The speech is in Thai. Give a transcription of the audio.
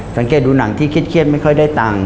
สังเกตดูหนังที่เครียดไม่ค่อยได้ตังค์